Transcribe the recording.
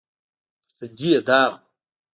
پر تندي يې داغ و.